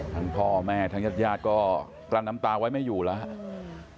ทั้งพ่อแม่ทั้งญาติย่าก็กรรด์น้ำตาไว้ไม่อยู่แล้ว